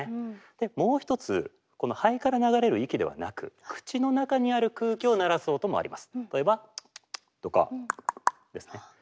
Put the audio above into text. もう一つこの肺から流れる息ではなく口の中にある空気を鳴らす音もあります。